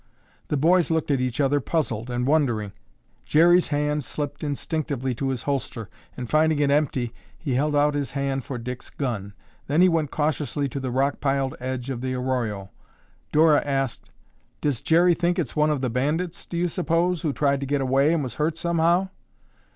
The boys looked at each other puzzled and wondering. Jerry's hand slipped instinctively to his holster and, finding it empty, he held out his hand for Dick's gun. Then he went cautiously to the rock piled edge of the arroyo. Dora asked, "Does Jerry think it's one of the bandits, do you suppose, who tried to get away and was hurt somehow?"